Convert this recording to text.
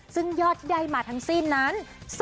ซึ่งยอดที่ได้มาทั้งสิ้นนั้น